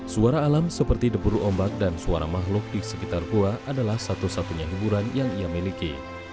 suara alam seperti deburu ombak dan suara makhluk di sekitar gua adalah satu satunya hiburan yang ia miliki